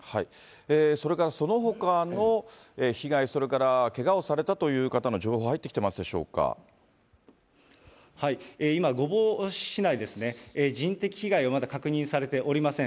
それからそのほかの被害、それからけがをされたという方の情報、今、御坊市内ですね、人的被害はまだ確認されておりません。